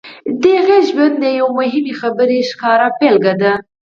د هغې ژوند د یوې مهمې خبرې ښکاره بېلګه ده